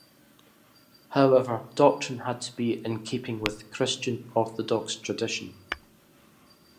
However, doctrine had to be in keeping with Christian orthodox tradition.